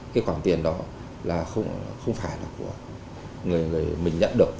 cái khoản tiền đó là không phải là của người mình nhận được